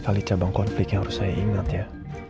kenapa banyak sekali cabang konflik yang harus saya ingat ya